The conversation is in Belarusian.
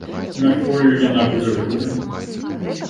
Мяркую, яна будзе ў лютым.